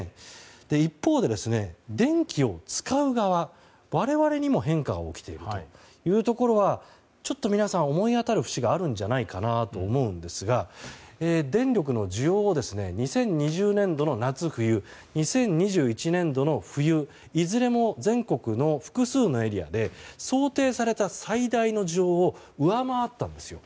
一方で、電気を使う側の我々にも変化が起きているというところはちょっと皆さん、思い当たる節があるんじゃないかなと思いますが電力の需要を２０２０年度の夏、冬２０２１年度の冬いずれも全国の複数のエリアで想定された最大の需要を上回ったんですよ。